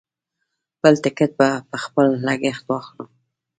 بل ټکټ به په خپل لګښت واخلم.